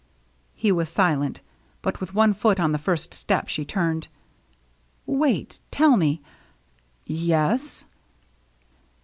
He was silent. But with one foot on the first step, she turned. " Wait, tell me —" "Yes?"